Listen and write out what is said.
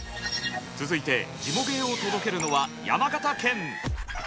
続いてジモ芸を届けるのは山形県。